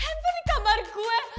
handphone di kamar gue